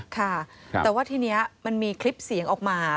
ค่ะแต่ว่าทีนี้มันมีคลิปเสียงออกมา